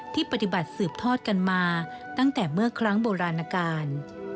ปฏิบัติสืบทอดกันมาตั้งแต่เมื่อครั้งโบราณการ